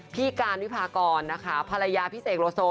พี่การณ์วิภากรภรรยาพี่เสกโลโซ